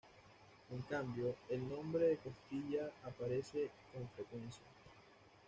En cambio, el nombre de Castilla aparece con frecuencia.